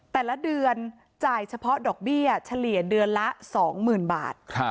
แต่ละเดือนจ่ายเฉพาะดอกเบี้ยเฉลี่ยเดือนละ๒๐๐๐บาท